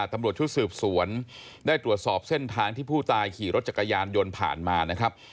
ตำรวจชุดสืบสวนได้ตรวจสอบเส้นทางที่ผู้ตายขี่รถจักรยานยนต์ผ่านมานะครับ